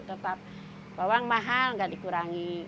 tetap bawang mahal nggak dikurangi